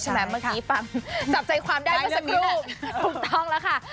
จับใจไว้พอสักรุ่ม